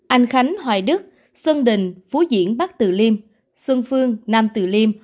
anh khánh hoài đức xuân đình phú diễn bắc tử liêm xuân phương nam từ liêm